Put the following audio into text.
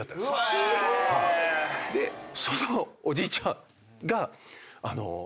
そのおじいちゃんが。